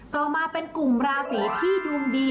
ต่อมาเป็นกลุ่มราศีที่ดวงดี